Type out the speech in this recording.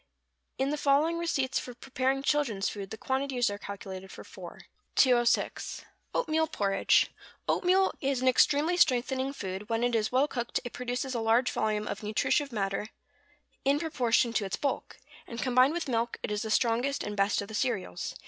In the following receipts for preparing children's food the quantities are calculated for four. 206. =Oatmeal Porridge.= Oatmeal is an extremely strengthening food; when it is well cooked it produces a large volume of nutritive matter in proportion to its bulk; and combined with milk it is the strongest and best of the cereals.